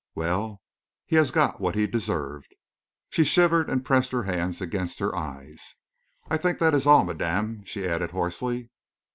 Well, he has got what he deserved!" She shivered and pressed her hands against her eyes. "I think that is all, madame," she added, hoarsely.